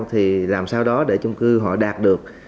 thì làm sao đó để chung cư họ đạt được